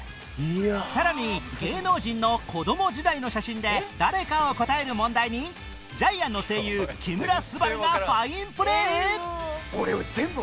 さらに芸能人の子供時代の写真で誰かを答える問題にジャイアンの声優木村昴がファインプレー！？